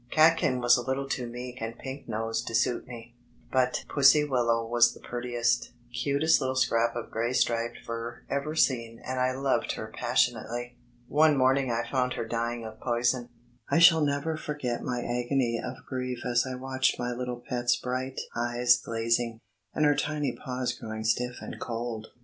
Catkin was a tittle too meek and pink nosed to suit me, but Pussy willow was the prettiest, "cutest" litde scrap of gray striped fur ever seen and I loved her passionately. One morning I found her dying of poison. I shall never forget my agony of grief as I watched my little pet's bright eyesglazing, and her tiny paws growing stiff and cold.